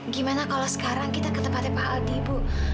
gimana kalau sekarang kita ke tempatnya pak aldi bu